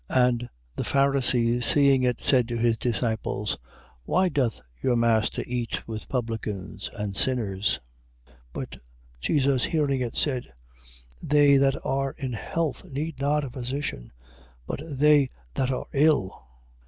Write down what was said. And the Pharisees seeing it, said to his disciples: Why doth your master eat with publicans and sinners? 9:12. But Jesus hearing it, said: They that are in health need not a physician, but they that are ill. 9:13.